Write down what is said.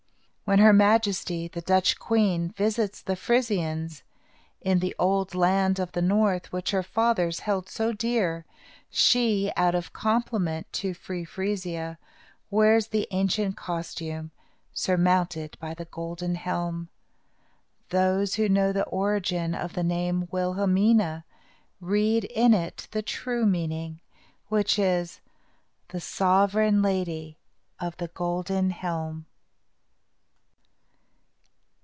When Her Majesty, the Dutch Queen, visits the Frisians, in the old land of the north, which her fathers held so dear, she, out of compliment to Free Frisia, wears the ancient costume, surmounted by the golden helm. Those who know the origin of the name Wilhelmina read in it the true meaning, which is, "The Sovereign Lady of the Golden Helm."